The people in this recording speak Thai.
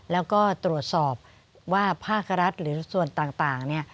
แล้วก็ตรวจสอบว่าภาครัฐหรือส่วนต่างเนี่ย